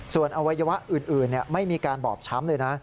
ส่วนอวัยวะอื่นไม่มีการบอบช้ำเลยนะ